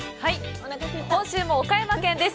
今週も岡山県です。